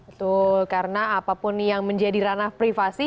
betul karena apapun yang menjadi ranah privasi